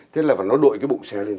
thế là và nó đội cái bụng xe lên